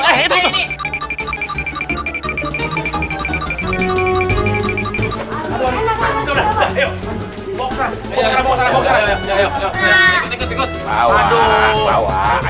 bawa kesana bawa kesana